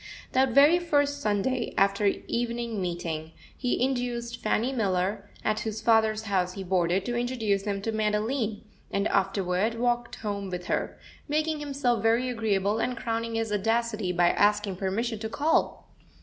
That very first Sunday, after evening meeting, he induced Fanny Miller, at whose father's house he boarded, to introduce him to Madeline, and afterward walked home with her, making himself very agreeable, and crowning his audacity by asking permission to call.